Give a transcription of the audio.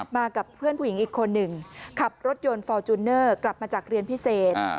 มากับเพื่อนผู้หญิงอีกคนหนึ่งขับรถยนต์ฟอร์จูเนอร์กลับมาจากเรียนพิเศษ